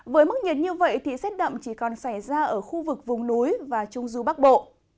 với mức nhiệt như vậy thì rét đậm chỉ còn xảy ra ở khu vực vùng núi và trung du bắc bộ